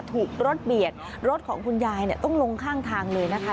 ถูกรถเบียดรถของคุณยายต้องลงข้างทางเลยนะคะ